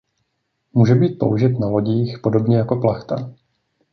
Může být použit na lodích podobně jako plachta.